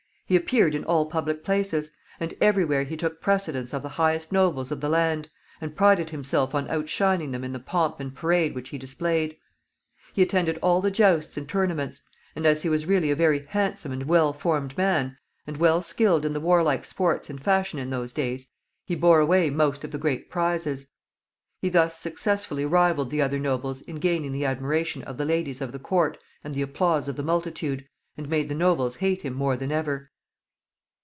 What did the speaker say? He appeared in all public places, and every where he took precedence of the highest nobles of the land, and prided himself on outshining them in the pomp and parade which he displayed. He attended all the jousts and tournaments, and, as he was really a very handsome and well formed man, and well skilled in the warlike sports in fashion in those days, he bore away most of the great prizes. He thus successfully rivaled the other nobles in gaining the admiration of the ladies of the court and the applause of the multitude, and made the nobles hate him more than ever.